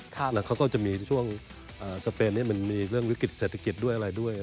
แล้วเขาก็จะมีช่วงสเปนมันมีเรื่องวิกฤติเศรษฐกิจด้วย